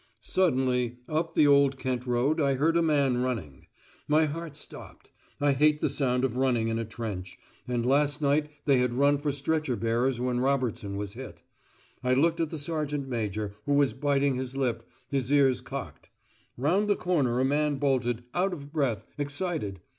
Suddenly, up the Old Kent Road I heard a man running. My heart stopped. I hate the sound of running in a trench, and last night they had run for stretcher bearers when Robertson was hit. I looked at the sergeant major, who was biting his lip, his ears cocked. Round the corner a man bolted, out of breath, excited.